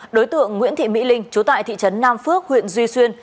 đối tượng nguyễn thị mỹ linh chú tại thị trấn nam phước huyện duy xuyên